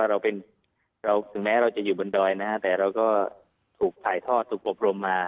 เราถึงแม้เราจะอยู่บนดอยนะฮะแต่เราก็ถูกถ่ายทอดถูกอบรมมา